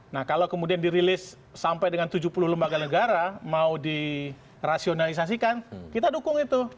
nah kalau kemudian dirilis sampai dengan tujuh puluh lembaga negara mau dirasionalisasikan kita dukung itu